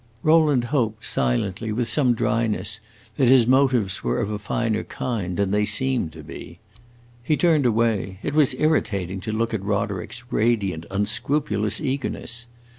Rowland hoped, silently, with some dryness, that his motives were of a finer kind than they seemed to be. He turned away; it was irritating to look at Roderick's radiant, unscrupulous eagerness.